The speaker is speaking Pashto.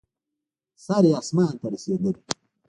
سر یې اسمان ته رسېدلی.